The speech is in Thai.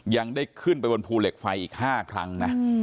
ยังได้ขึ้นไปบนภูเหล็กไฟอีก๕ครั้งนะ